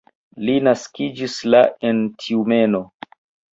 Li naskiĝis la en Tjumeno.